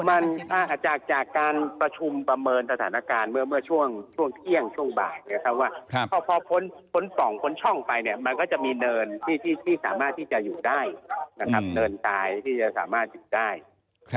มันจากการประชุมประเมินสถานการณ์เมื่อเมื่อช่วงช่วงเที่ยงช่วงบ่ายนะครับว่าพอพ้นพ้นป่องพ้นช่องไปเนี่ยมันก็จะมีเนินที่ที่สามารถที่จะอยู่ได้นะครับเนินตายที่จะสามารถอยู่ได้